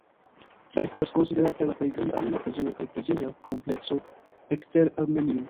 Ĝi estas konsiderata la plej granda armena preĝejo kaj preĝeja komplekso ekster Armenio.